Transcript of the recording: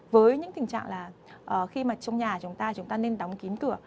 với những tình trạng là khi mà trong nhà chúng ta nên đóng kín cửa